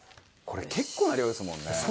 「これ結構な量ですもんね」